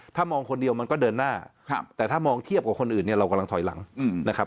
ถ้ามองคนเดียวมันก็เดินหน้าแต่ถ้ามองเทียบกับคนอื่นเนี่ยเรากำลังถอยหลังนะครับ